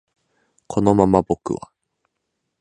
このまま僕は